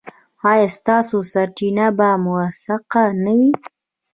ایا ستاسو سرچینه به موثقه نه وي؟